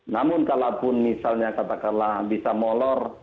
namun kalaupun misalnya katakanlah bisa molor